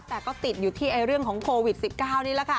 แต่ก็ติดอยู่ที่เรื่องของโควิด๑๙นี่แหละค่ะ